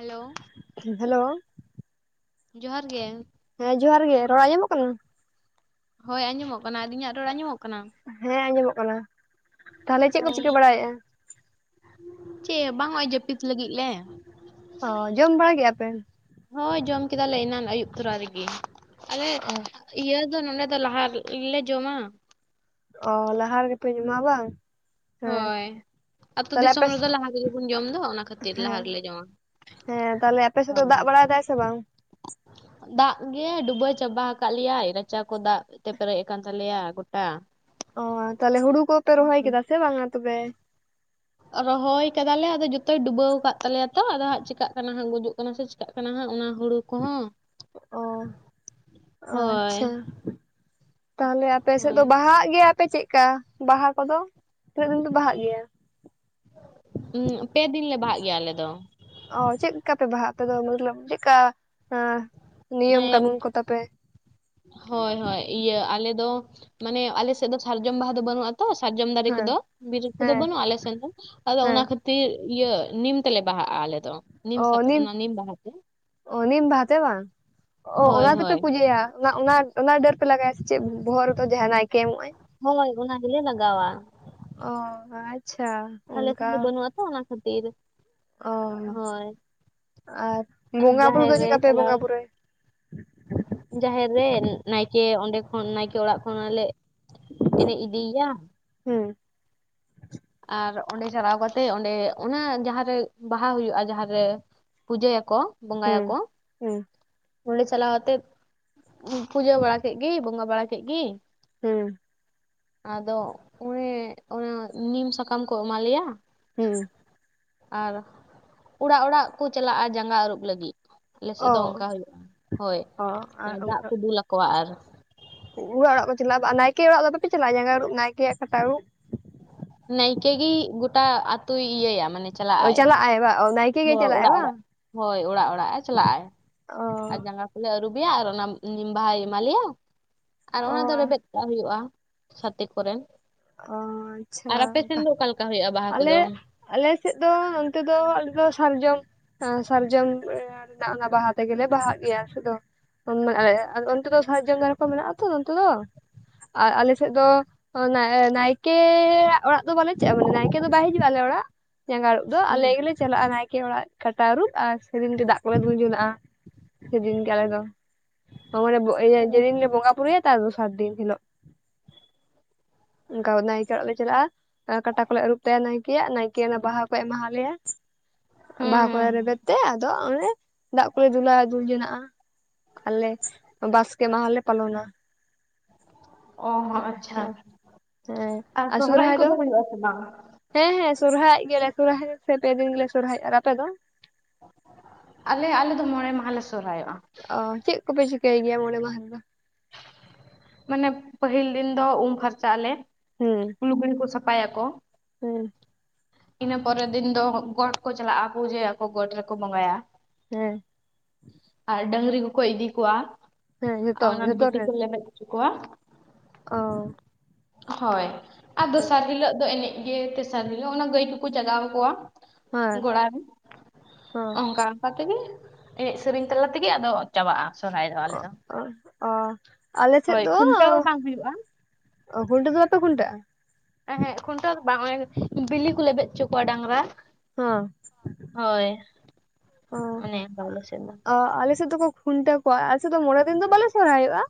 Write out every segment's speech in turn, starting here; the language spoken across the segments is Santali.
ᱦᱮᱞᱳ ᱾ ᱦᱮᱞᱳ ᱾ ᱡᱚᱦᱟᱨ ᱜᱮ ᱾ ᱦᱮᱸ ᱡᱚᱦᱟᱨ ᱜᱮ ᱨᱚᱲ ᱟᱧᱡᱚᱢᱚᱜ ᱠᱟᱱᱟ? ᱦᱳᱭ ᱟᱧᱡᱚᱢᱚᱜ ᱠᱟᱱᱟ, ᱟᱹᱞᱤᱧᱟᱜ ᱨᱚᱲ ᱟᱧᱡᱚᱢᱚᱜ ᱠᱟᱱᱟ? ᱦᱮᱸ ᱟᱧᱡᱚᱢᱚᱜ ᱠᱟᱱᱟ, ᱛᱟᱦᱞᱮ ᱪᱮᱫ ᱚ ᱠᱚ ᱪᱤᱠᱟᱹ ᱵᱟᱲᱟᱭᱮᱫᱼᱟ? ᱪᱮᱫ ᱦᱚᱸ ᱵᱟᱝ, ᱱᱚᱜᱼᱚᱭ ᱡᱟᱹᱯᱤᱫ ᱞᱟᱹᱜᱤᱫ ᱞᱮ ᱚ ᱡᱚᱢ ᱵᱟᱲᱟ ᱠᱮᱫᱼᱟ ᱯᱮ ᱾ ᱦᱳᱭ ᱡᱚᱢ ᱠᱮᱫᱟᱞᱮ ᱮᱱᱟᱱ ᱟᱹᱭᱩᱵ ᱛᱚᱨᱟ ᱨᱮᱜᱮ ᱟᱞᱮ ᱚ ᱾ ᱤᱭᱟᱹ ᱫᱚ ᱱᱚᱸᱰᱮ ᱫᱚ ᱞᱟᱦᱟ ᱨᱮᱞᱮ ᱡᱚᱢᱟ ᱾ ᱚ ᱞᱟᱦᱟ ᱨᱮᱜᱮᱯᱮ ᱡᱚᱢᱟ ᱵᱟᱝ? ᱦᱮᱸ ᱦᱳᱭ ᱟᱹᱛᱩ ᱛᱟᱦᱞᱮ ᱫᱤᱥᱚᱢ ᱟᱯᱮ ᱨᱮᱫᱚ ᱞᱟᱦᱟ ᱨᱮᱜᱮ ᱵᱚᱱ ᱡᱚᱢᱫᱚ ᱚᱱᱟ ᱠᱷᱟᱹᱛᱤᱨ ᱞᱟᱦᱟ ᱦᱮᱸ ᱨᱮᱞᱮ ᱡᱚᱢᱟ ᱾ ᱦᱮᱸ ᱛᱟᱦᱞᱮ ᱟᱯᱮ ᱥᱮᱫ ᱫᱚ ᱫᱟᱜ ᱵᱟᱲᱟᱭ ᱫᱟᱭ ᱥᱮ ᱵᱟᱝ? ᱫᱟᱜ ᱜᱮ ᱰᱩᱵᱟᱹ ᱪᱟᱵᱟ ᱠᱟᱜ ᱞᱮᱭᱟᱭ ᱨᱟᱪᱟ ᱠᱚ ᱫᱟᱜ ᱛᱮ ᱯᱮᱨᱮᱡ ᱟᱠᱟᱱ ᱛᱟᱞᱮᱭᱟ ᱾ ᱚ ᱛᱟᱦᱞᱮ ᱦᱩᱲᱩ ᱠᱚᱯᱮ ᱨᱚᱦᱚᱭ ᱠᱮᱫᱟ ᱥᱮ ᱵᱟᱝᱟ ᱛᱚᱵᱮ? ᱨᱚᱦᱚᱭ ᱠᱟᱫᱟᱞᱮ ᱟᱫᱚ ᱡᱚᱛᱚᱭ ᱰᱩᱵᱟᱹᱣ ᱠᱟᱫ ᱛᱟᱞᱮᱭᱟ ᱛᱚ ᱟᱫᱚ ᱦᱟᱸᱜ ᱪᱤᱠᱟᱹᱜ ᱠᱟᱱᱟ ᱦᱟᱸᱜ ᱜᱩᱡᱩᱜ ᱠᱟᱱᱟ ᱥᱮ ᱪᱤᱠᱟᱜ ᱠᱟᱱᱟ ᱦᱟᱸᱜ ᱚᱱᱟ ᱦᱩᱲᱩ ᱠᱚᱦᱚᱸ ᱾ ᱚ ᱾ ᱚ ᱦᱳᱭ ᱟᱪᱷᱟ ᱛᱟᱦᱞᱮ ᱟᱯᱮᱥᱮᱫ ᱫᱚ ᱦᱳᱭ ᱵᱟᱦᱟᱜ ᱜᱮᱭᱟ ᱯᱮ ᱪᱮᱫᱠᱟ? ᱵᱟᱦᱟ ᱠᱚᱫᱚ ᱛᱤᱱᱟᱹᱜ ᱫᱤᱱ ᱫᱚ ᱵᱟᱦᱟᱜ ᱜᱮᱭᱟ? ᱯᱮ ᱫᱤᱱ ᱞᱮ ᱵᱟᱦᱟᱜ ᱜᱮᱭᱟ ᱟᱞᱮ ᱫᱚ ᱾ ᱚ ᱪᱮᱫᱞᱮᱠᱟ ᱯᱮ ᱵᱟᱦᱟᱜᱼᱟ ᱟᱯᱮ ᱫᱚ ᱢᱚᱛᱞᱚᱵ ᱪᱮᱫᱞᱮᱠᱟ ᱢ [unintelligible] ᱦᱳᱭ ᱦᱳᱭ ᱤᱭᱟᱹ ᱟᱞᱮ ᱫᱚ ᱢᱟᱱᱮ ᱟᱞᱮᱥᱮᱫ ᱫᱚ ᱥᱟᱨᱡᱚᱢ ᱵᱟᱦᱟ ᱫᱚ ᱵᱟᱹᱱᱩᱜᱼᱟ ᱛᱚ ᱥᱟᱨᱡᱚᱢ ᱫᱟᱨᱮ ᱦᱮᱸ ᱠᱚᱫᱚ ᱵᱤᱨ ᱠᱚᱫᱚ ᱦᱮᱸ ᱵᱟᱹᱱᱩᱜᱼᱟ ᱟᱞᱮ ᱥᱮᱱ ᱫᱚ ᱟᱫᱚ ᱦᱮᱸ ᱚᱱᱟ ᱠᱷᱟᱹᱛᱤᱨ ᱛᱤ ᱤᱭᱟᱹ ᱱᱤᱢ ᱛᱮᱞᱮ ᱵᱟᱦᱟᱜᱼᱟ ᱟᱞᱮᱫᱚ ᱱᱤᱢ ᱥᱟᱠᱟᱢ ᱚᱱᱟ ᱱᱤᱢ ᱵᱟᱦᱟ ᱛᱮ ᱾ ᱚ ᱱᱤᱢ ᱵᱟᱦᱟ ᱛᱮ ᱵᱟᱝ ᱚ ᱦᱳᱭ ᱚᱱᱟ ᱛᱮᱯᱮ ᱦᱳᱭ ᱯᱩᱡᱟᱹᱭᱟ ᱾ ᱚᱱᱟ ᱚᱱᱟ ᱚᱱᱟ ᱰᱟᱹᱨ ᱯᱮ ᱞᱟᱜᱟᱭᱟ ᱪᱮᱫ ᱵᱚᱦᱚᱜ ᱨᱮᱫᱚ ᱡᱟᱦᱟ ᱱᱮᱭᱠᱮ ᱮᱢᱚᱜ-ᱟᱭ ᱾ ᱦᱳᱭ ᱚᱱᱟ ᱜᱮᱞᱮ ᱞᱟᱜᱟᱣᱟ ᱾ ᱚ ᱟᱪᱪᱷᱟ᱾ ᱟᱞᱮ ᱥᱮᱱ ᱚᱱᱠᱟ ᱫᱚ ᱵᱟᱹᱱᱩᱜ-ᱟ ᱛᱚ ᱚᱱᱟ ᱠᱷᱟᱹᱛᱤᱨ ᱾ ᱚ ᱟᱨ ᱵᱚᱸᱜᱟ ᱵᱩᱨᱩ ᱡᱟᱦᱮᱨ ᱫᱚ ᱨᱮ ᱪᱮᱫᱠᱟ ᱯᱮ ᱪᱟᱞᱟᱣ ᱵᱚᱸᱜᱟ ᱵᱩᱨᱩᱭᱟ? ᱡᱟᱦᱮᱨ ᱨᱮ ᱱᱟᱭᱠᱮ ᱚᱸᱰᱮ ᱠᱷᱚᱱ ᱱᱟᱭᱠᱮ ᱚᱲᱟᱜ ᱠᱷᱚᱱᱟᱞᱮ ᱮᱱᱮᱡ ᱤᱫᱤᱭᱟ ᱾ ᱦᱩᱸ᱾ ᱟᱨ ᱚᱸᱰᱮ ᱪᱟᱞᱟᱣ ᱠᱟᱛᱮ ᱚᱸᱰᱮ ᱚᱱᱟ ᱡᱟᱦᱟᱸ ᱨᱮ ᱵᱟᱦᱟ ᱦᱩᱭᱩᱜ-ᱟ ᱡᱟᱦᱟᱸᱨᱮ ᱯᱩᱡᱟᱹ ᱭᱟᱠᱚ ᱵᱚᱸᱜᱟ ᱦᱩᱸ ᱭᱟᱠᱚ ᱦᱩᱸ ᱚᱸᱰᱮ ᱪᱟᱞᱟᱣᱛᱮᱫ ᱯᱩᱡᱟᱹ ᱵᱟᱲᱟ ᱠᱮᱫ ᱜᱤ ᱵᱚᱸᱜᱟ ᱵᱟᱲᱟ ᱠᱮᱫ ᱜᱤ ᱦᱩᱸ᱾ ᱟᱫᱚ ᱚᱱᱮ ᱚᱱᱟ ᱱᱤᱢ ᱥᱟᱠᱟᱢ ᱠᱚ ᱮᱢᱟ ᱞᱮᱭᱟ ᱾ ᱦᱩᱸ᱾ ᱟᱨ ᱚᱲᱟᱜ ᱚᱲᱟᱜ ᱠᱩ ᱪᱟᱞᱟᱜᱼᱟ ᱡᱟᱸᱜᱟ ᱟᱹᱨᱩᱵ ᱞᱟᱹᱜᱤᱫ ᱾ ᱟᱞᱮᱥᱮᱫ ᱚ ᱫᱚ ᱚᱱᱠᱟ ᱦᱩᱭᱩᱜ-ᱟ ᱦᱳᱭ ᱚ ᱟᱨ ᱢᱟᱱᱮ ᱫᱟᱜ ᱠᱚ ᱫᱩᱞ ᱟᱠᱚᱣᱟ ᱟᱨ ᱚᱲᱟᱜ ᱚᱲᱟᱜ ᱠᱚ ᱪᱟᱞᱟᱜᱼᱟ ᱟᱨ ᱱᱟᱭᱠᱮ ᱚᱲᱟᱜ ᱫᱚ ᱵᱟᱯᱮ ᱪᱟᱞᱟᱜᱼᱟ ᱡᱟᱸᱜᱟ ᱟᱸᱨᱩᱵ ᱱᱟᱭᱠᱮᱭᱟᱜ ᱠᱟᱴᱟ ᱟᱹᱨᱩᱵ? ᱱᱟᱭᱠᱮ ᱜᱤ ᱜᱚᱴᱟ ᱟᱛᱩᱭ ᱤᱭᱟᱹᱭᱟ ᱢᱟᱱᱮ ᱚ ᱪᱟᱞᱟᱜᱼᱟᱭ ᱪᱟᱞᱟᱜ-ᱟᱭ ᱵᱟ ᱚ ᱱᱟᱭᱠᱮ ᱜᱮᱭ ᱦᱳᱭ ᱪᱟᱞᱟᱜ-ᱟᱭ ᱚᱲᱟᱜ ᱵᱟᱝ ᱚᱲᱟᱜ ᱦᱳᱭ ᱚᱲᱟᱜ ᱚᱲᱟᱜ ᱮ ᱪᱟᱞᱟᱜᱼᱟᱭ᱾ ᱚ ᱟᱨ ᱡᱟᱸᱜᱟ ᱠᱚ ᱞᱮ ᱟᱹᱨᱩᱵᱤᱭᱟ ᱟᱨ ᱚᱱᱟ ᱱᱤᱢᱵᱟᱦᱟᱭ ᱮᱢᱟᱞᱤᱭᱟ᱾ ᱟᱨ ᱚ ᱚᱱᱟ ᱫᱚ ᱨᱮᱵᱮᱫ ᱠᱟᱜ ᱦᱩᱭᱩᱜᱼᱟ ᱥᱟᱛᱮ ᱠᱚᱨᱮ᱾ ᱚ ᱟᱪᱪᱷᱟ ᱟᱨ ᱟᱯᱮ ᱚᱱᱠᱟ ᱥᱮᱱ ᱫᱚ ᱚᱠᱟᱞᱮᱠᱟ ᱦᱩᱭᱩᱜᱼᱟ ᱵᱟᱦᱟ ᱠᱚᱫᱚ? ᱟᱞᱮ ᱟᱞᱮ ᱥᱮᱫ ᱫᱚ ᱱᱚᱱᱛᱮ ᱫᱚ ᱟᱞᱮ ᱫᱚ ᱥᱟᱨᱡᱚᱢ ᱥᱟᱨᱡᱚᱢ ᱨᱮᱱᱟᱜ ᱚᱱᱟ ᱵᱟᱦᱟ ᱛᱮ ᱜᱮ ᱞᱮ ᱵᱟᱦᱟᱜ ᱜᱮᱭᱟ ᱟᱞᱮᱥᱮᱫ ᱫᱚ᱾ [unintelligible] ᱚᱱᱛᱮ ᱫᱚ ᱥᱟᱨᱡᱚᱢ ᱫᱟᱨᱮ ᱠᱚ ᱢᱮᱱᱟᱜᱼᱟ ᱛᱚ ᱱᱚᱛᱮ ᱫᱚ᱾ ᱟᱨ ᱟᱞᱮ ᱥᱮᱫ ᱫᱚ ᱱᱟᱭᱠᱮᱻᱭᱟᱜ ᱚᱲᱟᱜ ᱫᱚ ᱵᱟᱞᱮ ᱪᱟᱜᱼᱟ ᱢᱟᱱᱮ ᱱᱟᱭᱠᱮ ᱫᱚ ᱵᱟᱭ ᱦᱤᱡᱩᱜᱼᱟ ᱟᱞᱮ ᱚᱲᱟᱜ ᱡᱟᱸᱜᱟ ᱩᱲᱚᱜ ᱫᱚ ᱦᱩᱸ ᱟᱞᱮ ᱜᱮᱞᱮ ᱪᱟᱞᱟᱜ-ᱟ ᱱᱟᱭᱠᱮ ᱚᱲᱟᱜ ᱠᱟᱴᱟ ᱟᱹᱨᱩᱵ ᱟᱨ ᱥᱮᱫᱤᱱ ᱜᱮ ᱫᱟᱜ ᱠᱚᱞᱮ ᱫᱩᱞ ᱡᱩᱱᱟᱜ-ᱟ᱾ ᱥᱮᱫᱤᱱ ᱜᱮ ᱟᱞᱮ ᱫᱚ, ᱢᱟᱱᱮ ᱡᱮᱫᱤᱱ ᱞᱮ ᱵᱚᱸᱜᱟ-ᱵᱩᱨᱩᱭᱟ ᱛᱟᱨ ᱫᱚᱥᱟᱨ ᱫᱤᱱ ᱦᱤᱞᱳᱜ᱾ ᱚᱱᱠᱟ ᱱᱟᱭᱠᱤ ᱚᱲᱟᱜ ᱞᱮ ᱪᱟᱞᱟᱜ-ᱟ᱾ ᱠᱟᱴᱟ ᱠᱚᱞᱮ ᱟᱹᱨᱩᱵ ᱛᱟᱭᱟ ᱱᱟᱭᱠᱤᱭᱟᱜ ᱱᱟᱭᱠᱤ ᱚᱱᱟ ᱵᱟᱦᱟ ᱠᱚᱭ ᱮᱢᱟ ᱞᱮᱭᱟ᱾ ᱦᱩᱸ ᱵᱟᱦᱟ ᱠᱚ ᱦᱩᱸ ᱨᱮ ᱨᱮᱵᱮᱫ ᱛᱮ ᱟᱫᱚ ᱚᱱᱮ ᱫᱟᱜ ᱠᱚᱞᱮ ᱫᱩᱞᱟ ᱫᱩᱞ ᱡᱚᱱᱟᱜ-ᱟ᱾ ᱟᱞᱮ ᱵᱟᱥᱠᱮ ᱢᱟᱦᱟ ᱞᱮ ᱯᱟᱞᱚᱱᱟ᱾ ᱚ ᱦᱚᱸ ᱟᱪᱪᱷᱟ ᱦᱮᱸ ᱦᱮᱸ ᱟᱨ ᱥᱚᱦᱚᱨᱟᱭ ᱥᱚᱨᱦᱟᱭ ᱫᱚ ᱠᱚᱫᱚ ᱦᱩᱭᱩᱜ-ᱟ ᱥᱮ ᱵᱟᱝ? ᱦᱮᱸ ᱦᱮᱸ ᱥᱚᱨᱦᱟᱭᱚᱜ ᱜᱮᱭᱟ ᱞᱮ ᱥᱚᱨᱦᱟᱭ ᱯᱮ ᱫᱤᱱ ᱜᱮᱞᱮ ᱥᱚᱨᱦᱟᱭᱚᱜᱼᱟ ᱟᱨ ᱟᱯᱮ ᱫᱚ? ᱟᱞᱮ ᱟᱞᱮ ᱫᱚ ᱢᱚᱬᱮ ᱢᱟᱦᱟ ᱞᱮ ᱥᱚᱨᱦᱟᱭᱚᱜ-ᱟ᱾ ᱚ ᱪᱮᱫ ᱠᱚᱯᱮ ᱪᱤᱠᱟᱹᱭ ᱜᱮᱭᱟ ᱢᱚᱬᱮ ᱢᱟᱦᱟ ᱨᱮᱫᱚ? ᱢᱟᱱᱮ ᱯᱟᱹᱦᱤᱞ ᱫᱤᱱ ᱫᱚ ᱩᱢ ᱯᱷᱟᱨᱪᱟᱜ ᱟᱞᱮ ᱦᱩᱸ ᱞᱩᱜᱽᱲᱤ ᱠᱩ ᱥᱟᱯᱷᱟᱭᱟᱠᱚ᱾ ᱦᱩᱸ᱾ ᱤᱱᱟᱹ ᱯᱚᱨᱮ ᱫᱤᱱ ᱫᱚ ᱜᱚᱰ ᱠᱚ ᱪᱟᱞᱟᱜ-ᱟ ᱯᱩᱡᱟᱹᱭᱟᱠᱚ ᱜᱚᱰ ᱨᱮᱠᱚ ᱵᱚᱸᱜᱟᱭᱟ᱾ ᱦᱮᱸ᱾ ᱟᱨ ᱰᱟᱺᱝᱨᱤ ᱠᱚᱠᱚ ᱤᱫᱤ ᱠᱚᱣᱟ ᱦᱮᱸ ᱟᱨ ᱡᱷᱚᱛᱚ ᱚᱱᱟ ᱡᱷᱚᱛᱚ ᱵᱤᱞᱤ ᱠᱚ ᱞᱮᱵᱮᱫ ᱠᱚᱣᱟ᱾ ᱚᱻ᱾ ᱦᱳᱭ ᱟᱨ ᱫᱚᱥᱟᱨ ᱦᱤᱞᱟᱹᱜ ᱫᱚ ᱮᱱᱮᱡ ᱜᱮ ᱛᱮᱥᱟᱨ ᱦᱤᱞᱟᱹᱜ ᱚᱱᱟ ᱜᱟᱹᱭ ᱠᱚᱠᱚ ᱡᱟᱜᱟᱣ ᱠᱚᱣᱟ᱾ ᱦᱮᱸ ᱜᱚᱲᱟ ᱨᱮ ᱦᱮᱸ ᱚᱱᱠᱟ ᱚᱱᱠᱟ ᱛᱮᱜᱮ ᱮᱱᱮᱡ ᱥᱮᱨᱮᱧ ᱛᱟᱞᱟ ᱛᱮᱜᱮ ᱟᱫᱚ, ᱪᱟᱵᱟᱜᱼᱟ ᱥᱚᱨᱦᱟᱭ-ᱼ ᱚ ᱚ ᱚ ᱟᱞᱮ ᱥᱮᱫ ᱦᱳᱭ ᱫᱚ ᱠᱷᱩᱱᱴᱟᱹᱣ ᱵᱟᱝ ᱦᱩᱭᱩᱜᱼᱟ? ᱚ ᱠᱷᱩᱱᱴᱟᱹ ᱫᱚ ᱵᱟᱯᱮ ᱠᱷᱩᱱᱴᱟᱹᱜ-ᱟ? ᱮᱸ ᱦᱮᱸᱜ ᱠᱷᱩᱱᱴᱟᱹᱣ ᱫᱚ ᱵᱟᱝ ᱵᱤᱞᱤ ᱠᱚ ᱞᱮᱵᱮᱫ ᱦᱚᱪᱚ ᱠᱚᱣᱟ ᱰᱟᱝᱨᱟ᱾ ᱚ, ᱦᱳᱭ, ᱚᱱᱮ ᱚᱱᱠᱟ ᱟᱞᱮ ᱥᱮᱫ ᱫᱚ᱾ ᱚ ᱟᱞᱮ ᱥᱮᱫ ᱫᱚ ᱠᱚ, ᱠᱷᱩᱱᱴᱟᱹᱣ ᱠᱚᱣᱟ ᱟᱞᱮ ᱥᱮᱫ ᱫᱚ ᱢᱚᱬᱮ ᱫᱤᱱ ᱫᱚ ᱵᱟᱞᱮ ᱥᱚᱨᱦᱟᱭᱚᱜᱼᱟ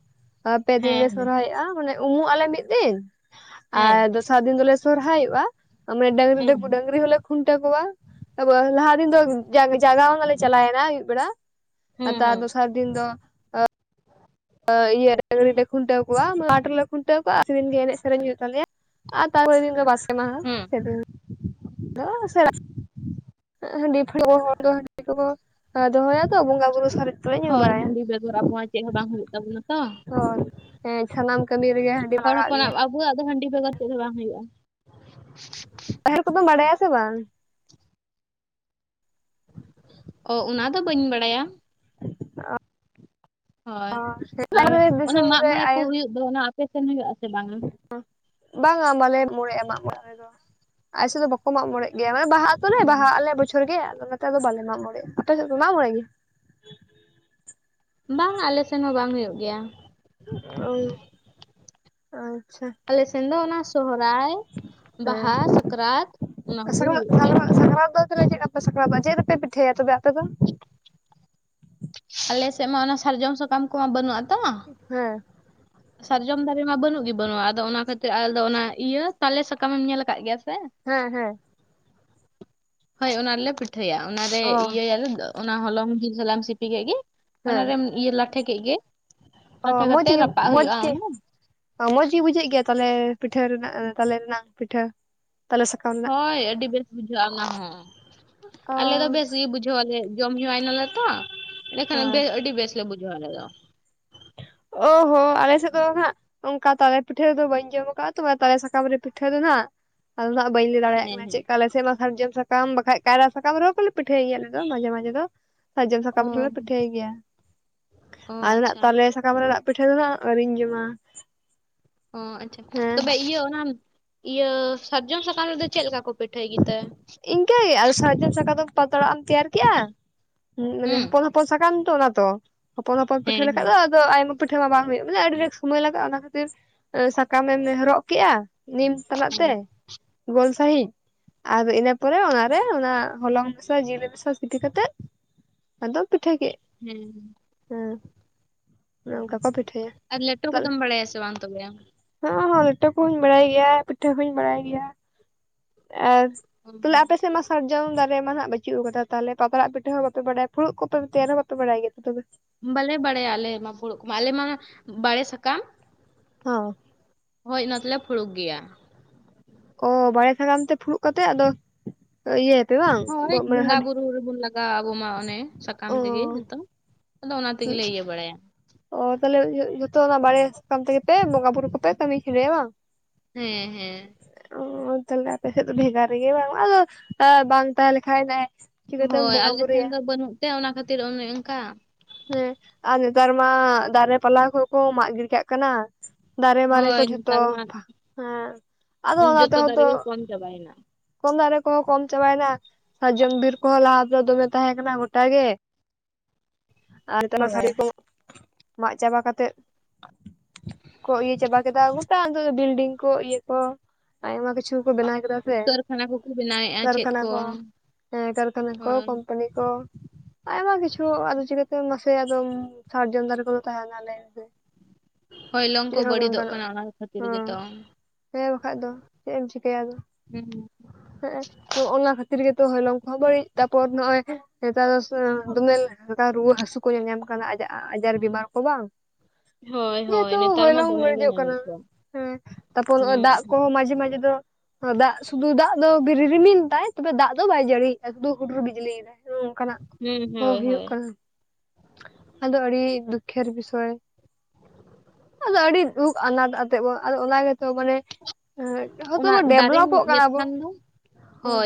ᱯᱮ ᱫᱤᱱ ᱞᱮ ᱦᱮᱸ ᱦᱮᱸ ᱥᱚᱨᱦᱟᱭᱚᱜᱼᱟ ᱢᱟᱱᱮ, ᱩᱢᱩᱜ ᱟᱞᱮ ᱢᱤᱫ ᱫᱤᱱ ᱦᱮᱸ ᱟᱨ ᱫᱚᱥᱟᱨ ᱫᱤᱱ ᱫᱚᱞᱮ ᱥᱚᱨᱦᱟᱭᱚᱜᱼᱟ᱾ ᱢᱟᱱᱮ ᱦᱮᱸ ᱰᱟᱺᱜᱽᱨᱤ ᱠᱩᱰᱮ ᱰᱟᱺᱜᱽᱨᱤ ᱦᱚᱞᱮ ᱠᱷᱩᱱᱴᱟᱹᱣ ᱠᱚᱣᱟ ᱟᱫᱚ ᱞᱟᱦᱟ ᱫᱤᱱ ᱫᱚ ᱡᱟᱞ ᱞᱟᱜᱟᱣ ᱢᱟᱞᱮ ᱪᱟᱞᱟᱣ ᱱᱟ ᱪᱟᱞᱟᱣᱮᱱᱟ ᱟᱹᱭᱩᱵ ᱵᱮᱲᱟ ᱟᱨ ᱦᱩᱸ ᱛᱟᱨ ᱦᱩᱸ ᱫᱚᱥᱟᱨ ᱫᱤᱱ ᱫᱚ, ᱤᱭᱟᱹ ᱰᱟᱺᱜᱽᱨᱤ ᱞᱮ ᱠᱷᱩᱱᱴᱟᱹᱣ ᱠᱚᱣᱟ ᱢᱟᱴ ᱨᱮᱞᱮ ᱠᱷᱩᱱᱴᱟᱹᱣ ᱠᱚᱣᱟᱼᱟ ᱟᱨ ᱥᱮᱫᱤᱱ ᱜᱮ ᱮᱱᱮᱡ ᱥᱮᱨᱮᱧ ᱦᱩᱭᱩᱜ ᱛᱟᱞᱮᱭᱟ᱾ ᱟᱨ ᱛᱟᱨᱯᱚ ᱨᱮ ᱫᱤᱱ ᱫᱚ ᱵᱟᱥᱠᱮ ᱢᱟᱦᱟ ᱦᱩᱸ᱾ ᱥᱮᱫᱤᱱ ᱫᱚ [inaudible] ᱦᱟᱺᱰᱤ ᱯᱷᱩᱲᱩᱜ ᱠᱚ ᱦᱟᱸᱜ ᱠᱚ ᱫᱚᱦᱚᱭᱟ ᱛᱚ ᱵᱚᱸᱜᱟ-ᱵᱩᱨᱩ ᱥᱟᱨᱮᱡ, ᱛᱮᱞᱮ ᱧᱩ ᱦᱳᱭ ᱵᱟᱲᱟᱭᱟ ᱦᱟᱺᱰᱤ ᱵᱮᱜᱚᱨ ᱟᱵᱚᱣᱟᱜ ᱪᱮᱫ ᱦᱚᱸ ᱵᱟᱝ ᱦᱩᱭᱩᱜ ᱛᱟᱵᱚᱱᱟ ᱛᱚ᱾ ᱦᱚᱲ ᱦᱮᱸ ᱥᱟᱱᱟᱢ ᱠᱟᱹᱢᱤ ᱨᱮᱜᱮ ᱦᱟᱺᱰᱤ ᱞᱟᱜᱟᱜ ᱜᱮᱭᱟ ᱟᱵᱩᱣᱟᱜ ᱫᱚ ᱦᱟᱺᱰᱤ ᱵᱷᱮᱜᱚᱨ ᱪᱮᱫ ᱦᱚᱸ ᱵᱟᱝ ᱦᱩᱭᱩᱜᱼᱟ᱾ ᱯᱟᱦᱮᱨ ᱠᱚᱫᱚᱢ ᱵᱟᱰᱟᱭᱟ ᱥᱮ ᱵᱟᱝ? ᱚ ᱚᱱᱟ ᱫᱚ ᱵᱟᱹᱧ ᱵᱟᱲᱟᱭᱟ᱾ [inaudible] ᱦᱳᱭ, ᱟᱨ ᱚᱱᱮ ᱫᱤᱥᱚᱢ ᱢᱟᱜ ᱢᱚᱬᱮ ᱨᱮ ᱠᱚ ᱦᱩᱭᱩᱜ ᱫᱚ ᱚᱱᱟ ᱟᱯᱮᱥᱮᱱ ᱦᱩᱭᱩᱜ-ᱟ ᱥᱮ ᱵᱟᱝᱼᱟ? ᱵᱟᱝ-ᱟ ᱵᱟᱞᱮ ᱢᱚᱲᱮᱜᱼᱟ ᱢᱟᱜ ᱢᱚᱬᱮ ᱟᱞᱮ ᱫᱚ ᱟᱞᱮ ᱥᱮᱫ ᱫᱚ ᱵᱟᱠᱚ ᱢᱟᱜ ᱢᱚᱬᱮᱜ ᱜᱮᱭᱟ ᱢᱟᱱᱮ ᱵᱟᱦᱟ ᱚ ᱚᱱᱮ ᱵᱟᱦᱟ ᱟᱞᱮ ᱵᱚᱪᱷᱚᱨ ᱜᱮ ᱟᱫᱚ ᱱᱟᱛᱮ ᱫᱚ ᱵᱟᱞᱮ ᱢᱟᱜ ᱢᱚᱬᱮ, ᱟᱯᱮ ᱥᱮᱫ ᱯᱮ ᱢᱟᱜ ᱢᱚᱬᱮ ᱜᱮᱭᱟ? ᱵᱟᱝ -ᱟ ᱟᱞᱮ ᱥᱮᱱ ᱦᱚᱸ ᱵᱟᱝ ᱦᱩᱭᱩᱜ ᱜᱮᱭᱟ᱾ ᱚ ᱟᱪᱪᱷᱟ, ᱟᱞᱮᱥᱮᱱ ᱫᱚ ᱚᱱᱟ ᱥᱚᱦᱟᱨᱟᱭ ᱦᱮᱸ ᱵᱟᱦᱟ ᱥᱟᱠᱨᱟᱛ, ᱚᱱᱟ ᱠᱚᱜᱮ ᱦᱩᱭᱩᱜ ᱜᱮᱭᱟ᱾ ᱪᱮᱫ ᱞᱮᱠᱟ ᱯᱮ ᱥᱟᱠᱨᱟᱛᱟᱜ -ᱟ ᱪᱮᱫ ᱨᱮᱯᱮ ᱯᱤᱴᱷᱟᱹᱭᱟ ᱛᱚᱵᱮ ᱟᱯᱮ ᱫᱚ? [inaudible] ᱟᱞᱮ ᱥᱮᱫ ᱢᱟ ᱚᱱᱟ ᱥᱟᱨᱡᱚᱢ ᱥᱟᱠᱟᱢ ᱠᱚᱦᱚ ᱵᱟᱹᱱᱩᱜᱼᱟ ᱛᱚ, ᱦᱮᱸ, ᱥᱟᱨᱡᱚᱢ ᱫᱟᱨᱮ ᱢᱟ ᱵᱟᱹᱱᱩᱜ ᱜᱮ ᱵᱟᱹᱱᱩᱜᱼᱟ ᱟᱫᱚ ᱚᱱᱟ ᱠᱷᱟᱹᱛᱤᱨ ᱟᱞᱮ ᱫᱚ ᱚᱱᱟ ᱤᱭᱟᱹ ᱛᱟᱞᱮ ᱥᱟᱠᱟᱢᱮᱢ ᱧᱮᱞ ᱟᱠᱟᱫ ᱜᱮᱭᱟ ᱥᱮ? ᱦᱮᱸ ᱦᱮᱸ᱾ ᱦᱳᱭ ᱚᱱᱟ ᱨᱮᱞᱮ ᱯᱤᱴᱷᱟᱹᱭᱟ ᱚᱱᱟᱨᱮ ᱚ ᱤᱭᱟᱹᱭᱟᱞᱮ ᱚᱱᱟ ᱦᱚᱞᱚᱝ ᱡᱤᱞ ᱥᱟᱞᱟᱜ ᱮᱢ ᱥᱤᱯᱤ ᱠᱮᱫ ᱜᱮ᱾ ᱦᱮᱸ ᱚᱱᱟᱨᱮᱢ ᱤᱭᱟᱹ ᱞᱟᱴᱷᱮ ᱠᱮᱫ ᱜᱮ ᱚ ᱞᱟᱴᱷᱮ ᱢᱚᱡᱽ ᱠᱟᱛᱮᱜ ᱜᱮ ᱨᱟᱯᱟᱜ ᱢᱚᱡᱽ ᱦᱩᱭᱩᱜᱼᱟ ᱜᱮ, ᱚᱱᱟ ᱚ ᱢᱚᱸᱡᱽ ᱜᱮ ᱵᱩᱡᱷᱟᱹᱜ ᱜᱮᱭᱟ ᱛᱟᱞᱮ ᱯᱤᱴᱷᱟᱹ ᱨᱮᱱᱟᱜ ᱛᱟᱞᱮ ᱨᱮᱱᱟᱜ ᱯᱤᱴᱷᱟᱹ? ᱛᱟᱞᱮ ᱥᱟᱠᱟᱢ ᱨᱮᱱᱟᱜ ᱦᱳᱭ ᱟᱹᱰᱤ ᱵᱮᱥ ᱵᱩᱡᱷᱟᱹᱜ ᱟ ᱚᱱᱟ ᱦᱚᱸ ᱚ ᱟᱞᱮ ᱫᱚ ᱵᱮᱥ ᱜᱮ ᱵᱩᱡᱷᱟᱹᱣ ᱟᱞᱮ᱾ ᱡᱚᱢ ᱦᱮᱣᱟᱭ ᱱᱟᱞᱮ ᱛᱚ ᱮᱸᱰᱮᱠᱷᱟᱱ ᱦᱮᱸ ᱟᱹᱰᱤ ᱵᱮᱥ ᱞᱮ ᱵᱩᱡᱷᱟᱹᱣ ᱟᱞᱮ ᱫᱚ᱾ ᱚ ᱦᱚ ᱟᱞᱮ ᱥᱮᱫ ᱫᱚ ᱦᱟᱸᱜ ᱚᱱᱠᱟ ᱛᱟᱞᱮ ᱯᱤᱴᱷᱟᱹ ᱨᱮᱫᱚ ᱵᱟᱹᱧ ᱡᱚᱢ ᱟᱠᱟᱫᱟᱼᱟ ᱛᱚ ᱛᱟᱞᱮ ᱥᱟᱠᱟᱢ ᱨᱮ ᱯᱤᱴᱷᱟᱹ ᱫᱚ ᱦᱟᱸᱜ, ᱟᱫᱚ ᱱᱟᱜ ᱵᱟᱹᱧ ᱞᱟᱹᱭ ᱫᱟᱲᱮᱭᱟᱜ ᱦᱮᱸ ᱠᱟᱱᱟ ᱪᱮᱫ ᱦᱮᱸ ᱞᱮᱠᱟ, ᱟᱞᱮ ᱢᱟ ᱥᱟᱨᱡᱚᱢ ᱥᱟ ᱥᱟᱠᱟᱢ ᱵᱟᱠᱷᱟᱡ ᱠᱟᱭᱨᱟ ᱥᱟᱠᱟᱢ ᱨᱮᱦᱚᱸ ᱠᱚᱞᱮ ᱯᱤᱴᱷᱟᱹᱭ ᱜᱮᱭᱟᱞᱮ ᱟᱞᱮᱫᱚ ᱢᱟᱡᱷᱮ ᱢᱟᱡᱷᱮ ᱫᱚ᱾ ᱥᱟᱨᱡᱚᱢ ᱚ ᱥᱟᱠᱟᱢ ᱨᱮᱞᱮ ᱯᱤᱴᱷᱟᱹᱭ ᱜᱮᱭᱟ ᱚ ᱟᱫᱚ ᱱᱟᱜ ᱟᱪᱪᱷᱟ ᱛᱟᱞᱮ ᱥᱟᱠ ᱥᱟᱠᱟᱢ ᱨᱮᱱᱟᱜ ᱯᱤᱴᱷᱟᱹ ᱫᱚ ᱦᱟᱜ ᱟᱹᱣᱨᱤᱧ ᱡᱚᱢᱟ᱾ ᱚ ᱟᱪᱪᱷᱟ᱾ ᱦᱮᱸ ᱛᱚᱵᱮ ᱤᱭᱟᱹ ᱚᱱᱟ ᱤᱭᱟᱹ ᱥᱟᱨᱡᱚᱢ ᱥᱟᱠᱟᱢ ᱨᱮᱫᱚ ᱪᱮᱫ ᱞᱮᱠᱟ ᱠᱚ ᱯᱤᱴᱷᱟᱹᱭ ᱜᱮᱛᱮ? ᱤᱱᱠᱟᱹᱜᱮ ᱟᱨ ᱥᱟᱨᱡᱚᱢ ᱥᱟᱠᱟᱢ ᱨᱮ ᱯᱟᱛᱲᱟ ᱮᱢ ᱛᱮᱭᱟᱨ ᱠᱮᱜᱼᱟ ᱢᱟᱱᱮ ᱦᱩᱸ? ᱦᱚᱯᱚᱱ ᱦᱚᱯ ᱦᱚᱯᱚᱱ ᱥᱟᱠᱟᱢ ᱛᱚ ᱚᱱᱟ ᱫᱚ᱾ ᱦᱚᱯᱚᱱ ᱦᱚᱯᱚᱱ ᱯᱤᱴᱷᱟᱹ ᱦᱮᱸ ᱦᱮᱸ ᱞᱮᱠᱷᱟᱡ ᱦᱮᱸ ᱫᱚ ᱫᱚ ᱟᱭᱢᱟ ᱯᱤᱴᱷᱟᱹ ᱢᱟ ᱵᱟᱝ ᱦᱩᱭᱩᱜ, ᱵᱚᱞᱮ ᱟᱹᱰᱤ ᱨᱮᱠᱥ ᱥᱚᱢᱚᱭ ᱞᱟᱜᱟᱼᱟ ᱚᱱᱟ ᱠᱷᱟᱹᱛᱤᱨ ᱮ ᱥᱟᱠᱟᱢᱮᱢ ᱨᱚᱜ ᱠᱮᱫᱼᱟ, ᱱᱤᱢ ᱛᱮᱱᱟᱜ ᱛᱮ ᱦᱮᱸ ᱜᱳᱞ ᱥᱟᱺᱦᱤᱡ᱾ ᱟᱫᱚ ᱤᱱᱟᱹ ᱯᱚᱨᱮ ᱚᱱᱟᱨᱮ ᱚᱱᱟ ᱦᱚᱞᱚᱝ ᱢᱮᱥᱟ ᱡᱤᱞ ᱢᱮᱥᱟ ᱥᱤᱯᱤ ᱠᱟᱛᱮᱫ ᱟᱫᱚ ᱯᱤᱴᱷᱟ ᱠᱮᱜ᱾ ᱦᱮᱸ, ᱚᱱᱮ ᱚᱱᱠᱟ ᱠᱚ ᱯᱤᱴᱷᱟᱹᱭᱟ ᱟᱨ ᱞᱮᱴᱚ ᱠᱚᱫᱚᱢ ᱵᱟᱲᱟᱭᱟ ᱥᱮ ᱵᱟᱝ? ᱛᱚᱵᱮ ᱟᱢ? ᱦᱚᱸ ᱦᱚᱸ ᱞᱮᱴᱚ ᱠᱚᱦᱟᱧ ᱵᱟᱲᱟᱭ ᱜᱮᱭᱟ, ᱯᱤᱴᱷᱟᱹ ᱦᱚᱧ ᱵᱟᱲᱟᱭ ᱜᱮᱭᱟ। ᱟᱨ ᱛᱟᱦᱚᱞᱮ ᱟᱯᱮ ᱥᱮᱫ ᱢᱟᱥ ᱥᱟᱨᱡᱚᱢ ᱫᱟᱨᱮ ᱢᱟ ᱦᱟᱸᱜ ᱵᱟᱹᱪᱩᱜ ᱟᱠᱟᱫᱟ ᱛᱟᱦᱚᱞᱮ ᱯᱟᱛᱲᱟᱜ ᱯᱤᱴᱟᱹ ᱦᱚᱸ ᱵᱟᱯᱮ ᱵᱟᱲᱟᱭ, ᱯᱷᱩᱲᱩᱜ ᱠᱚ ᱛᱮᱭᱟᱨ ᱦᱚᱸ ᱵᱟᱯᱮ ᱵᱟᱲᱟᱭ ᱜᱮᱭᱟ ᱛᱚᱵᱮ᱾ ᱵᱟᱞᱮ ᱵᱟᱲᱟᱭᱟ ᱟᱞᱮ ᱢᱟ ᱯᱷᱩᱬᱩᱜ ᱠᱚᱴᱟ᱾ ᱟᱞᱮ ᱢᱟ ᱵᱟᱲᱮ ᱥᱟᱠᱟᱢ ᱦᱚᱸ᱾ ᱦᱚᱭ ᱚᱱᱟ ᱛᱮᱞᱮ ᱯᱷᱩᱲᱩᱜ ᱜᱮᱭᱟ। ᱚ ᱵᱟᱲᱮ ᱥᱟᱠᱟᱢ ᱛᱮ ᱯᱷᱩᱲᱩᱜ ᱠᱟᱛᱮᱜ ᱟᱫᱚ ᱤᱭᱟᱹᱭᱟᱯᱮ ᱵᱟᱝ [unintelligible] ᱜᱟ ᱟᱵᱚ ᱢᱟ ᱚᱱᱮ ᱥᱟᱠᱟᱢ ᱚ ᱛᱮᱜᱮ ᱡᱚᱛᱚ ᱟᱫᱚ ᱚᱱᱟ ᱛᱮᱜᱮᱞᱮ ᱤᱭᱟᱹ ᱵᱟᱲᱟᱭᱟ। ᱚ ᱛᱟᱦᱚᱞᱮ ᱡᱚ-ᱡᱚᱛᱚ ᱚᱱᱟ ᱵᱟᱨᱲᱮ ᱥᱟᱠᱟᱢ ᱛᱮᱜᱮ ᱯᱮ ᱵᱚᱸᱜᱟ ᱵᱩᱨᱩ ᱠᱚᱯᱮ ᱠᱟᱹᱢᱤ ᱶᱷᱤᱰᱟᱹᱭᱟ ᱵᱟᱝ? ᱦᱮᱸ ᱦᱮᱸ। ᱚ ᱛᱟᱦᱚᱞᱮ ᱟᱯᱮ ᱥᱮᱫ ᱫᱚ ᱵᱷᱮᱜᱟᱨ ᱜᱮ ᱵᱟᱝ᱾ ᱟᱫᱚ ᱵᱟᱝ ᱛᱞᱮᱠᱷᱟᱡ ᱦᱳᱭ ᱟᱞᱮ ᱥᱮᱱ ᱫᱚ ᱵᱟᱹᱱᱩᱜ ᱛᱮ ᱚᱱᱟ ᱠᱷᱟᱹᱛᱤᱨ ᱚᱱᱮ ᱚᱱᱠᱟ। ᱦᱮᱸ ᱟᱨ ᱱᱮᱛᱟᱨ ᱢᱟ ᱫᱟᱨᱮ ᱯᱟᱞᱦᱟ ᱠᱚᱦᱚᱸ ᱠᱚ ᱢᱟᱜ ᱜᱤᱰᱤ ᱠᱟᱜ ᱠᱟᱱᱟ। ᱫᱟᱨᱮ ᱢᱟᱨᱮ ᱠᱚ ᱦᱳᱭ ᱡᱷᱚᱛᱚ ᱱᱮᱛᱟᱨ ᱢᱟ ᱦᱮᱸ ᱟᱫᱚ ᱚᱱᱟ ᱡᱚᱛᱚ ᱛᱮᱦᱚᱸ ᱫᱟᱨᱮ ᱛᱚ ᱜᱮ ᱠᱚᱢ ᱪᱟᱵᱟᱭᱮᱱᱟ ᱠᱚᱢ ᱫᱟᱨᱮ ᱠᱚᱦᱚᱸ ᱠᱚᱢ ᱪᱟᱵᱟᱭᱮᱱᱟ, ᱥᱟᱨᱡᱚᱢ ᱵᱤᱨ ᱠᱚᱦᱚᱸ ᱞᱟᱦᱟ ᱛᱮᱫᱚ ᱫᱚᱢᱮ ᱛᱟᱦᱮᱸ ᱠᱟᱱᱟ ᱜᱚᱴᱟ ᱜᱮ। ᱟᱨ [unintelligible] ᱦᱳᱭ ᱫᱟᱨᱮ ᱠᱚ ᱢᱟᱜ ᱪᱟᱵᱟ ᱠᱟᱛᱮᱫ ᱠᱚ ᱤᱭᱟᱹ ᱪᱟᱵᱟ ᱠᱮᱫᱟ, ᱜᱚᱴᱟ ᱟᱫᱚ ᱵᱤᱞ-ᱰᱤᱝ ᱠᱚ, ᱤᱭᱟᱹ ᱠᱚ ᱟᱭᱢᱟ ᱠᱤᱪᱷᱩ ᱠᱤᱪᱷᱩ ᱠᱚ ᱵᱮᱱᱟᱣ ᱠᱮᱫᱟ ᱥᱮ ᱠᱟᱹᱨᱠᱷᱟᱱᱟ ᱠᱚᱠᱚ ᱵᱮᱱᱟᱣᱮᱫᱼᱟ ᱪᱮᱫ ᱠᱟᱹᱨᱠᱷᱟᱱᱟ ᱠᱚ᱾ ᱦᱮᱸ ᱠᱟᱹᱨᱠᱷᱟᱱᱟ ᱠᱚ ᱦᱳᱭ ᱠᱚᱢᱯᱟᱱᱤ ᱠᱚ᱾ ᱟᱭᱢᱟ ᱠᱤᱪᱷᱩ ᱟᱫᱚ ᱪᱤᱠᱟᱹ ᱛᱮ ᱢᱟᱥᱮ ᱟᱫᱚᱢ ᱥᱟᱨᱡᱚᱢ ᱫᱟᱨᱮ ᱠᱚᱫᱚ ᱛᱟᱦᱮᱱᱟ ᱞᱟᱹᱭ ᱵᱤᱱ? ᱦᱚᱭᱞᱚᱝ ᱠᱚ ᱵᱟᱹᱲᱤᱫᱚᱜ ᱠᱟᱱᱟ ᱚᱱᱟ ᱠᱷᱟᱹᱛᱤᱨ ᱦᱮᱸ ᱜᱮᱛᱚᱝ᱾ ᱦᱮᱸ ᱵᱟᱠᱷᱟᱡ ᱫᱚ ᱪᱮᱜ ᱮᱢ ᱪᱤᱠᱟᱹᱭᱟ ᱟᱫᱚ᱾ ᱦᱩᱸ᱾ [unintelligible] ᱱᱚᱜ-ᱚᱱᱟ ᱠᱷᱟᱹᱛᱤᱨ ᱜᱮᱛᱚ ᱦᱚᱭᱞᱚᱝ ᱠᱚᱦᱚᱸ ᱵᱟᱹᱲᱤᱡ᱾ ᱛᱟᱨᱯᱚᱨ ᱱᱚᱜ-ᱚᱭ ᱱᱮᱛᱟᱨ ᱫᱚ ᱥᱮ ᱫᱚᱢᱮᱞ ᱦᱚ ᱠᱟ ᱨᱩᱣᱟᱹ ᱦᱟᱹᱥᱩ ᱠᱚ ᱧᱟᱧᱟᱢ ᱠᱟᱱᱟ᱾ ᱟᱡᱟᱜ-ᱟᱡᱟᱨ ᱵᱤᱢᱟᱨ ᱠᱚ ᱵᱟᱝ᱾ ᱦᱳᱭ ᱦᱳᱭ ᱡᱮᱦᱮᱛᱩ ᱱᱮᱛᱟᱨ ᱢᱟ ᱦᱚᱭᱞᱚᱝ ᱫᱚᱢᱮ ᱜᱮ ᱵᱟᱹᱲᱤᱡᱚᱜ ᱠᱟᱱᱟ᱾ ᱧᱟᱢᱮᱫ ᱠᱚᱣᱟ ᱦᱮᱸ ᱛᱟᱨᱯᱚᱨ ᱱᱚᱜ-ᱚᱭ ᱦᱩᱸ ᱫᱟᱜ ᱠᱚ ᱦᱚᱸ ᱢᱟᱡᱷᱮ ᱢᱟᱡᱷᱮ ᱫᱚ ᱟᱫᱚ ᱫᱟᱜ ᱥᱩᱫᱩ ᱫᱟᱜ ᱫᱚ ᱵᱤᱨᱤ ᱨᱤᱢᱤᱞ ᱫᱟᱭ ᱛᱚᱵᱮ ᱫᱟᱜ ᱫᱚ ᱵᱟᱭ ᱡᱟᱹᱲᱤᱭᱮᱜᱼᱟ ᱥᱩᱫᱩ ᱦᱩᱰᱩᱨ ᱵᱤᱡᱽᱞᱤᱭᱮᱫᱟᱭ᱾ ᱱᱚᱝᱠᱟᱱᱟᱜ ᱦᱩᱸ ᱦᱚᱸ ᱦᱳᱭ ᱦᱩᱭᱩᱜ ᱦᱳᱭ᱾ ᱠᱟᱱᱟ ᱟᱫᱚ ᱟᱹᱲᱤ ᱫᱩᱠᱠᱷᱮᱨ ᱵᱤᱥᱚᱭ᱾ ᱟᱫᱚ ᱟᱹᱰᱤ ᱫᱩᱠ ᱟᱱᱟᱴ ᱟᱛᱮᱜ ᱵᱚᱱ ᱟᱫᱚ ᱚᱱᱟ ᱜᱮᱛᱚ ᱢᱟᱱᱮ ᱮᱸᱜ ᱦᱚᱭᱛᱚ ᱚᱱᱟ ᱵᱚ ᱫᱟᱨᱮᱢ ᱰᱮᱵᱷᱞᱚᱯᱚᱜ ᱤᱭᱟᱹ ᱠᱟᱱᱟ ᱵᱚ᱾ ᱠᱷᱟᱱ ᱫᱚ ᱦᱳᱭ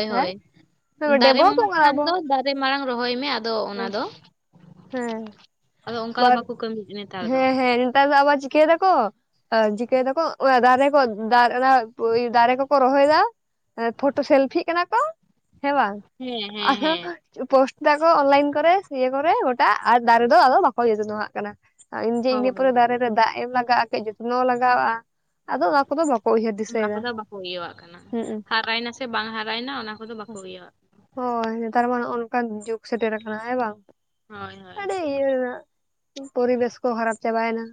ᱦᱮᱸ᱾ ᱰᱮᱵᱽᱞᱚᱯᱚᱜ ᱠᱟᱱᱟ ᱵᱚ᱾ ᱨᱮ ᱢᱟᱬᱟᱝ ᱨᱚᱦᱚᱭ ᱢᱮ ᱟᱫᱚ ᱚᱱᱟ ᱫᱚ ᱦᱮᱸ ᱟᱫᱚ ᱚᱱᱠᱟ ᱫᱚ ᱟᱵᱟᱨ ᱵᱟᱠᱚ ᱠᱟᱹᱢᱤᱭᱮᱫ ᱱᱮᱛᱟᱨ ᱫᱚ ᱦᱮᱸ ᱦᱮᱸ ᱱᱮᱛᱟᱨ ᱫᱚ ᱟᱵᱟᱨ ᱪᱤᱠᱟᱹᱭ ᱫᱟᱼᱼ ᱠᱚ ᱚ ᱪᱤᱠᱟᱹᱭ ᱫᱟᱠᱚ ᱚᱱᱟ ᱫᱟᱨᱮ ᱠᱚ ᱩᱸᱜ ᱫᱟᱨᱮ ᱚᱱᱟ ᱠᱩ ᱤᱭ ᱫᱟᱨᱮ ᱠᱚᱠᱚ ᱨᱚᱦᱚᱭ ᱫᱟ᱾ ᱮ ᱯᱷᱚᱴᱚ ᱥᱮᱞᱯᱷᱤᱜ ᱠᱟᱱᱟ ᱠᱚ ᱦᱮᱸ ᱵᱟᱝ᱾ ᱦᱮᱸ ᱟ ᱦᱮᱸ ᱦᱚ ᱦᱮᱸ ᱪᱚ ᱯᱳᱥᱴ ᱫᱟᱠᱚ ᱚᱱᱞᱟᱭᱤᱱ ᱠᱚᱨᱮ ᱤᱭᱟᱹ ᱠᱚᱨᱮ ᱣᱟᱴᱼᱼ ᱫᱟᱜ ᱟᱨ ᱫᱟᱨᱮ ᱫᱚ ᱟᱫᱚ ᱵᱟᱠᱚ ᱡᱚ ᱡᱚᱛᱚᱱᱟᱜ ᱠᱟᱱᱟ ᱟᱸ ᱡᱮ ᱤᱱᱟᱹ ᱦᱳᱭ ᱯᱚᱨᱮ ᱫᱟᱨᱮᱼᱼ ᱨᱮ ᱫᱟᱜ ᱮᱢ ᱞᱟᱜᱟᱜ-ᱟ ᱠᱟᱹᱡ ᱡᱚᱛᱱᱚ ᱞᱟᱜᱟᱜ-ᱟ᱾ ᱟᱫᱚ ᱚᱱᱟ ᱠᱚᱫᱚ ᱵᱟᱠᱚ ᱩᱭᱦᱟᱹᱨ ᱫᱟ᱾ ᱚᱱᱟ ᱠᱚᱫᱚ ᱵᱟᱠᱚ ᱤᱭᱟᱹ ᱣᱟᱜ ᱠᱟᱱᱟ ᱦᱟᱨᱟᱭ ᱱᱟ ᱥᱮ ᱵᱟᱝ ᱦᱟᱨᱟᱭ ᱱᱟ ᱚᱱᱟ ᱠᱚᱫᱚ ᱵᱟᱠᱚ ᱤᱭᱟᱹ ᱣᱟᱜ ᱠᱟᱱᱟ᱾ ᱦᱚᱭ ᱱᱮᱛᱟᱨ ᱢᱟ ᱱᱚᱜ ᱚᱱᱠᱟᱱ ᱡᱩᱜᱽ ᱥᱮᱴᱮᱨ ᱟᱠᱟᱱᱟ ᱦᱮᱸ ᱵᱟᱝ᱾ ᱦᱳᱭ ᱦᱳᱭ᱾ ᱟᱹᱰᱤ ᱤᱭᱟᱹ ᱨᱮᱱᱟᱜ ᱠᱚ ᱯᱚᱨᱤᱵᱮᱥ ᱠᱚ ᱠᱷᱟᱨᱟᱯ ᱪᱟᱵᱟᱭ ᱱᱟ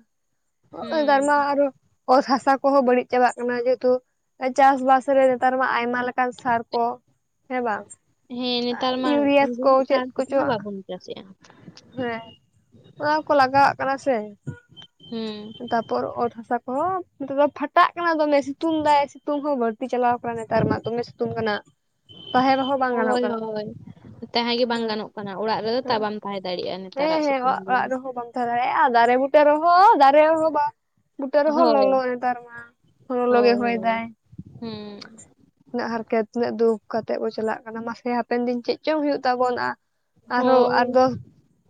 ᱚᱜ ᱦᱩᱸ ᱱᱮᱛᱟᱨ ᱢᱟ ᱟᱨᱚᱼᱼ ᱚᱛ ᱦᱟᱥᱟ ᱠᱚᱦᱚᱸ ᱵᱟᱹᱲᱤᱡ ᱪᱟᱵᱟᱜ ᱠᱟᱱᱟ ᱡᱮᱦᱮᱛᱩ ᱮ ᱪᱟᱥᱼᱵᱟᱥ ᱨᱮ ᱱᱮᱛᱟᱨ ᱢᱟ ᱟᱭᱢᱟ ᱞᱮᱠᱼᱼ ᱠᱟᱞ ᱥᱟᱨ ᱠᱚ ᱦᱮᱸ ᱵᱟᱝ ᱦᱮᱸ ᱟ ᱱᱮᱛᱟᱨ ᱭᱩᱨᱤᱭᱟ ᱠᱚ ᱪᱮᱫ ᱠᱚᱪᱚᱼᱼ ᱪᱟᱥᱮᱜ-ᱟ᱾ ᱦᱮᱸ ᱚᱱᱟ ᱠᱚ ᱞᱟᱜᱟᱣᱟᱜ ᱠᱟᱱᱟ ᱥᱮ᱾ ᱦᱩᱸ᱾ ᱛᱟᱯᱚᱨ ᱚᱛ ᱦᱟᱥᱟ ᱠᱚᱦᱚᱸ ᱱᱤᱛᱚᱜ ᱫᱚ ᱯᱷᱟᱴᱟᱜ ᱠᱟᱱᱟ ᱫᱚᱢᱮᱭ ᱥᱤᱛᱩᱝ ᱫᱟᱭ ᱥᱤᱛᱩᱝ ᱦᱚᱸ ᱵᱟᱹᱲᱼᱼ ᱛᱤ ᱪᱟᱞᱟᱣ ᱠᱟᱱᱟ ᱱᱮᱛᱟᱨ ᱢᱟ ᱫᱚᱢᱮ ᱥᱤᱛᱩᱝ ᱠᱟᱱᱟ ᱛᱟᱦᱮᱸ ᱨᱮᱦᱚᱸ ᱵᱟᱝ ᱜᱟᱱᱚᱜ ᱦᱳᱭ ᱠᱟᱱᱟ᱾ ᱦᱳᱭ ᱛᱟᱦᱮᱸ ᱜᱮ ᱵᱟᱝ ᱦᱮᱸ ᱜᱟᱱᱚᱜ ᱠᱟᱱᱟ ᱚᱲᱟᱜ ᱨᱮᱫᱚ ᱦᱮᱸ ᱛᱟᱣ ᱵᱟᱢ ᱛᱟᱦᱮᱸ ᱫᱟᱲᱤᱜ-ᱟ ᱱᱮᱛᱟᱨᱟᱜ ᱥᱤᱛᱩᱝ ᱫᱚ᱾ ᱛᱟᱸᱦᱮ ᱫᱟᱲᱮᱭᱟᱜ-ᱟ ᱫᱟᱨᱮ ᱵᱩᱴᱟᱹ ᱨᱮᱦᱚᱸ ᱫᱟᱨᱮ ᱦᱚᱸ ᱵᱟ᱾ ᱵᱩᱴᱟᱹ ᱨᱮᱦᱚᱸ ᱦᱳᱭ ᱞᱚᱞᱚ ᱱᱮᱛᱟᱨ ᱢᱟ ᱦᱚᱭ ᱞᱚᱞᱚ ᱜᱮ ᱦᱳᱭ ᱦᱚᱭ ᱦᱳᱭ ᱫᱟᱭ᱾ ᱦᱩᱸ᱾ ᱤᱱᱟᱹᱜ ᱦᱟᱨᱠᱮᱛ ᱛᱤᱱᱟᱹᱜ ᱫᱩᱠ ᱠᱟᱛᱮᱜ ᱠᱚ ᱪᱟᱞᱟᱜ ᱠᱟᱱᱟ ᱢᱟᱥᱮ ᱦᱟᱯᱮᱱ ᱫᱤᱱ ᱪᱤᱫ ᱪᱚᱝ ᱦᱩᱭᱩᱜ ᱛᱟᱵᱚᱱᱟ᱾ ᱟᱨᱦᱚᱸ ᱟᱨ ᱦᱳᱭ ᱫᱚᱥ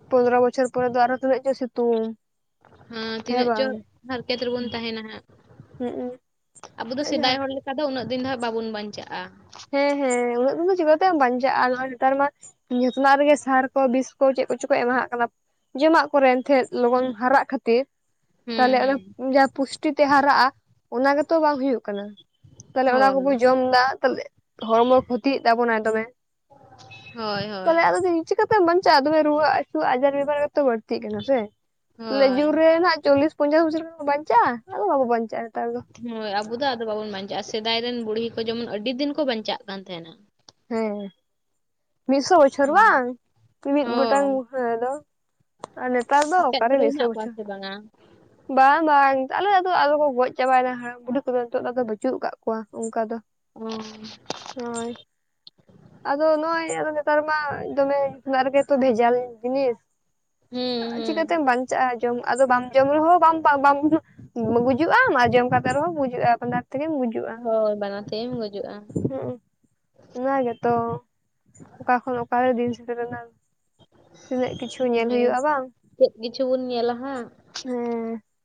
ᱯᱚᱱᱫᱽᱨᱚ ᱵᱚᱪᱷᱚᱨ ᱯᱚᱨᱮ ᱫᱚ ᱟᱨ ᱦᱚᱸ ᱛᱤᱱᱟᱹᱜ ᱪᱚᱭ ᱥᱤᱛᱩᱝ᱾ ᱦᱟᱸ ᱦᱮᱸ ᱛᱤᱱᱟᱹᱜ ᱪᱚ ᱵᱟᱝ ᱦᱟᱨᱠᱮᱛ ᱨᱮᱵᱩᱱ ᱛᱟᱦᱮᱱᱟ ᱦᱟᱸᱜ᱾ ᱦᱩᱸ ᱟᱵᱩ ᱫᱚ ᱥᱮᱫᱟᱭ ᱦᱚᱲ ᱦᱮᱸ ᱞᱮᱠᱟ ᱫᱚ ᱩᱱᱟᱹᱜ ᱫᱤᱱ ᱫᱚ ᱦᱟᱸᱜ ᱵᱟᱵᱚᱱ ᱵᱟᱧᱪᱟᱜ-ᱟ᱾ ᱦᱮᱸ ᱦᱮᱸ ᱩᱱᱟᱹᱜ ᱫᱤᱱ ᱫᱚ ᱪᱤᱠᱟᱹ ᱛᱮᱢ ᱵᱟᱧᱪᱟᱜ-ᱟ ᱱᱚᱜ-ᱚᱭ ᱱᱮᱛᱟᱨ ᱢᱟᱼᱼ ᱡᱚᱛᱚᱱᱟᱜ ᱨᱮᱜᱮ ᱥᱟᱨ ᱠᱚ ᱵᱤᱥ ᱠᱚ ᱪᱮᱜ ᱠᱚᱪᱚ ᱠᱚ ᱮᱢᱟ ᱦᱟᱜ ᱠᱟᱱᱟ᱾ ᱡᱚᱢᱟᱜ ᱠᱚᱨᱮᱱ ᱮᱱᱛᱷᱮᱜ ᱞᱚᱜᱚᱱ ᱦᱟᱨᱟᱜ ᱠᱷᱟᱹᱛᱤᱨ᱾ ᱦᱩᱸ ᱛᱟᱦᱚᱞᱮ ᱟᱫᱚ ᱦᱩᱸ ᱡᱟ ᱯᱩᱥᱴᱤ ᱛᱮ ᱦᱟᱨᱟᱜ-ᱟ ᱚᱱᱟ ᱜᱮᱛᱚ ᱵᱟᱝ ᱦᱩᱭᱩᱜ ᱠᱟᱱᱟ᱾ ᱛᱟᱦᱚᱞᱮ ᱚᱱᱟ ᱦᱳᱭ ᱠᱚᱵᱚ ᱡᱚᱢ ᱫᱟ ᱛᱟᱦᱚᱞᱮ ᱦᱚᱲᱢᱚ ᱠᱷᱚᱛᱤᱭᱮᱜ ᱛᱟᱵᱚᱱᱟᱭ ᱫᱚᱢᱮ᱾ ᱦᱳᱭ ᱦᱳᱭ ᱯᱟᱞᱮ ᱟᱨᱚ ᱫᱤᱱᱼᱼ ᱪᱤᱠᱠᱟᱛᱮᱢ ᱵᱟᱧᱪᱟᱜᱼᱟ ᱛᱚᱵᱮ ᱨᱩᱣᱟᱹ ᱦᱟᱹᱥᱩ ᱟᱡᱟᱨ ᱵᱮᱵᱟᱨᱛᱚ ᱵᱟᱹᱲᱛᱤᱜ ᱠᱟᱱᱟ ᱥᱮ᱾ ᱛᱟᱦᱮ ᱦᱳᱭ ᱡᱳ ᱨᱮ ᱱᱟᱜ ᱪᱚᱞᱞᱤᱥ ᱯᱚᱧᱪᱟᱥ ᱵᱚᱪᱷᱚᱨ ᱠᱷ ᱵᱟᱧᱪᱟᱜᱼᱟ ᱟᱫᱚ ᱵᱟᱵᱚ ᱵᱟᱧᱪᱟᱜᱼᱟ ᱱᱮᱛᱟᱨ ᱫᱚ᱾ ᱦᱳᱭ ᱟᱵᱚ ᱫᱚ ᱟᱫᱚ ᱵᱟᱵᱚᱱ ᱵᱟᱧᱪᱟᱜᱼᱟ ᱥᱮᱫᱟᱭ ᱨᱮᱱ ᱵᱩᱲᱦᱤ ᱠᱚ ᱡᱮᱢᱚᱱ ᱟᱹᱰᱤ ᱫᱤᱱ ᱠᱚ ᱵᱟᱧᱪᱟᱜ ᱠᱟᱱ ᱛᱟᱦᱮᱸᱫᱱᱟ᱾ ᱦᱮᱸ ᱢᱤᱫᱥᱚ ᱵᱚᱪᱷᱚᱨ ᱦᱩᱸ ᱵᱟᱝ ᱢᱤᱢᱤᱫ ᱜᱚᱴᱟᱝ ᱦᱳᱭ ᱦᱮᱸ ᱫᱚ᱾ ᱟᱨ ᱱᱮᱛᱟᱨ ᱫᱚ ᱟᱯᱮ ᱟᱛᱳ ᱚᱠᱟᱨᱮ ᱨᱮ ᱫᱤᱥᱟᱹ ᱦᱮᱱᱟᱜ ᱠᱚᱣᱟ ᱵᱩᱪᱷᱟᱹᱣᱟ᱾ ᱥᱮ ᱵᱟᱝᱟ ᱵᱟᱝ ᱵᱟᱝ ᱟᱟᱦᱞᱮᱫᱚ ᱟᱫᱚ ᱠᱚ ᱜᱚᱡ ᱪᱟᱵᱟᱭᱮᱱᱟ ᱦᱟᱲᱟᱢ ᱵᱩᱰᱦᱷᱤ ᱠᱚᱫᱚ ᱱᱤᱛᱚᱜ ᱫᱚᱫᱚ ᱵᱟᱹᱪᱩᱜ ᱟᱠᱟᱫ ᱠᱚᱣᱟ ᱚᱱᱠᱟ ᱫᱚ᱾ ᱚ ᱦᱳᱭ᱾ ᱟᱫᱚ ᱱᱚᱜᱼᱚᱭ ᱟᱫᱚ ᱱᱮᱛᱟᱨ ᱢᱟ ᱫᱚᱢᱮ ᱩ ᱨᱮᱜᱛᱚ ᱵᱷᱮᱡᱟᱞ ᱡᱤᱱᱤᱥ᱾ ᱦᱩᱸ ᱦᱩᱸ ᱪᱤᱠᱠᱟᱛᱮᱢ ᱵᱟᱧᱪᱟᱜᱼᱟ ᱡᱚᱢ ᱟᱫᱚ ᱵᱟᱢ ᱡᱚᱢ ᱨᱮᱦᱚᱸ ᱵᱟᱢ᱾ ᱜᱩᱡᱩᱜ ᱟᱢ ᱟᱨ ᱡᱚᱢ ᱠᱟᱛᱮ ᱨᱮᱦᱚᱸ ᱵᱩᱡᱩᱜᱼᱟ ᱯ ᱛᱮᱜᱮᱢᱩᱡᱼᱟ᱾ ᱦᱳᱭ ᱵᱟᱱᱟᱨ ᱛᱮᱜᱮᱢ ᱜᱩᱡᱩᱜᱼᱟ [unintelligible] ᱚᱱᱟ ᱜᱮᱛᱚ ᱚᱠᱟ ᱠᱷᱚᱱ ᱚᱠᱟᱨᱮ ᱫᱤᱱ ᱥᱮᱴᱮᱨ ᱮᱱᱟ᱾ ᱛᱤᱱᱟᱹᱜ ᱠᱤᱪᱷᱩ ᱧᱮᱞ ᱚᱱᱟᱜᱮ ᱦᱩᱭᱩᱜᱼᱟ ᱵᱟᱝ? ᱪᱮᱫ ᱠᱤᱪᱷᱩ ᱵᱚᱱ ᱧᱮᱞᱟ ᱦᱟᱸᱜᱼᱼ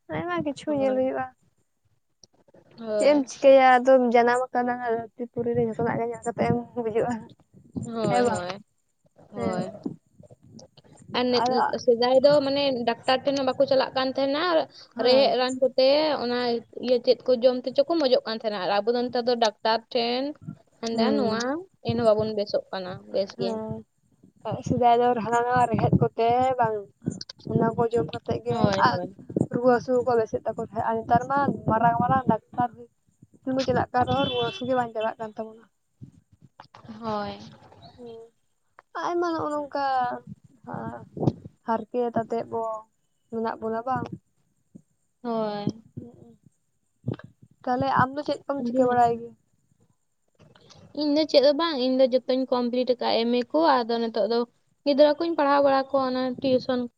ᱦᱮᱸ ᱟᱭᱢᱟ ᱠᱤᱪᱷᱩ ᱧᱮᱞ ᱦᱩᱭᱩᱜᱼᱟ᱾ ᱪᱮᱫ ᱦᱳᱭ ᱮᱢ ᱪᱤᱠᱟᱹᱭᱟ ᱟᱫᱚᱢ ᱡᱟᱱᱟᱢ ᱟᱠᱟᱱᱟ ᱨᱟ ᱯᱩᱨᱤ ᱨᱮ ᱡᱚᱛᱚᱱᱟᱜ ᱜᱮ ᱧᱮᱞ ᱠᱟᱛᱮᱢ ᱜᱩᱡᱩᱜᱼᱟ᱾ ᱦᱮᱸ ᱦᱳᱭ ᱵᱟᱝ ᱦᱳᱭ ᱦᱮᱸ᱾ ᱦᱳᱭ ᱟᱨ ᱟᱫᱚ ᱥᱮᱫᱟᱭ ᱫᱚ ᱢᱟᱱᱮ ᱰᱟᱠᱛᱟᱨ ᱴᱷᱮᱱ ᱦᱚᱸ ᱵᱟᱠᱚ ᱪᱟᱞᱟᱜ ᱠᱟᱱ ᱛᱟᱦᱮᱱᱟᱼᱼ ᱦᱮᱸ ᱨᱮᱦᱮᱫ ᱨᱟᱱ ᱠᱚᱛᱮ ᱚᱱᱟ ᱤᱭᱟᱹ ᱪᱮᱫ ᱠᱚ ᱡᱚᱢ ᱛᱮᱪᱚ ᱠᱚ ᱢᱚᱡᱚᱜ ᱠᱟᱱᱟᱼᱼ ᱛᱟᱦᱮᱱᱟ ᱟᱨ ᱟᱵᱚ ᱫᱚ ᱱᱮᱛᱟᱨ ᱫᱚ ᱰᱟᱠᱛᱟᱨ ᱴᱷᱮᱱ ᱦᱫᱟ ᱦᱮᱸ ᱱᱚᱣᱟ ᱮᱱᱦᱚᱸ ᱵᱟᱵᱚᱱ ᱵᱮᱥᱚᱜᱼᱟ᱾ ᱠᱟᱱᱟ ᱵᱮᱥ ᱜᱮ᱾ ᱦᱮᱸ ᱥᱮᱫᱟᱭ ᱦᱟᱱᱟ ᱱᱟ ᱨᱮ ᱦᱮᱫ ᱠᱚᱛᱮ ᱵᱟᱝᱼᱼ ᱚᱱᱟ ᱠᱚ ᱡᱚᱢ ᱠᱟᱛᱮᱫ ᱜᱮᱼᱼ ᱦᱳᱭ ᱦᱳᱭ ᱨᱩᱣᱟᱹ ᱦᱟᱹᱥᱩ ᱠᱚᱠᱚ ᱵᱮᱥᱮᱫ ᱛᱟᱠᱚ ᱛᱟᱦᱮᱸᱫ ᱟᱨ ᱱᱮᱛᱟᱨ ᱢᱟ ᱢᱟᱨᱟᱝ ᱢᱟᱨᱟᱝ ᱰᱟᱠᱛᱟᱨᱼᱼ [inaudible] ᱪᱟᱞᱟᱜ ᱠᱟᱱ ᱨᱮᱦᱚᱸ ᱨᱩᱟᱹᱥᱩᱮ ᱵᱟᱝ ᱪᱟᱞᱟᱜ ᱠᱟᱱ ᱛᱟᱵᱳᱱᱟ᱾ ᱦᱳᱭ᱾ ᱦᱩᱸ ᱟᱭᱢᱟ ᱱᱚᱼᱱᱚᱝᱠᱟᱼᱼ ᱚᱱᱠᱟ ᱦᱟᱨᱠᱮᱛ ᱟᱛᱮᱜ ᱵᱚ ᱢᱮᱱᱟᱜ ᱵᱚᱱᱟ ᱵᱟᱝ? ᱦᱳᱭ ᱛᱟᱦᱚᱞᱮ ᱟᱢ ᱫᱚ ᱪᱮᱫ? ᱠᱚᱢ ᱪᱤᱠᱟᱹ ᱵᱟᱲᱟᱭ ᱜᱮᱭᱟ [inaudible] ᱤᱧ ᱫᱚ ᱪᱮᱫ ᱫᱚ ᱦᱚ ᱵᱟᱝ ᱤᱧ ᱫᱚ ᱡᱚᱛᱚᱧ ᱠᱚᱢᱯᱞᱤᱤᱴ ᱟᱠᱟᱟᱜᱼᱟ ᱮᱢ ᱮ ᱠᱚ ᱟᱫᱚ ᱱᱤᱛᱚᱜ ᱫᱚᱼᱼ ᱜᱤᱫᱽᱨᱟᱹ ᱠᱩᱧ ᱯᱟᱲᱦᱟᱣ ᱵᱟᱲᱟ ᱠᱚᱣᱟ ᱚᱱᱟ ᱴᱤᱭᱩᱥᱚᱱ᱾